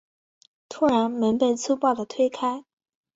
突然门被粗暴的推开